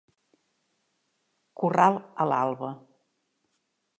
Corral a l'alba.